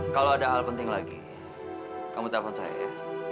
kalau ada hal penting lagi kamu telepon saya ya